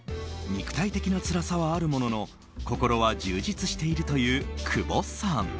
肉体的なつらさはあるものの心は充実しているという久保さん。